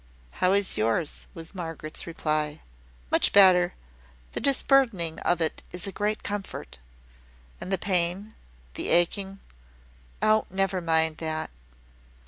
"How is yours?" was Margaret's reply. "Much better. The disburdening of it is a great comfort." "And the pain the aching?" "Oh, never mind that!"